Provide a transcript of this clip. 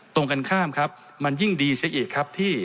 ตรงกันข้ามครับมันยิ่งดีซะอีกครับที่